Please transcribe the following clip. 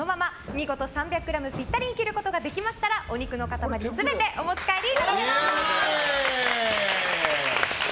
見事３００ｇぴったりに切ることができましたらお肉の塊全てお持ち帰りいただけます。